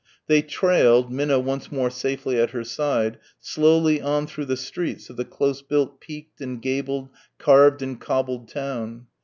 They trailed, Minna once more safely at her side, slowly on through the streets of the close built peaked and gabled, carved and cobbled town.